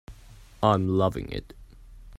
I'm loving it.